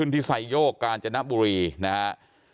ที่ไซโยกกาญจนบุรีนะครับ